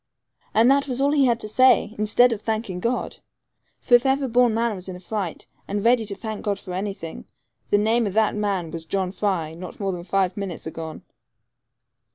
And that was all he had to say, instead of thanking God! For if ever born man was in a fright, and ready to thank God for anything, the name of that man was John Fry not more than five minutes agone.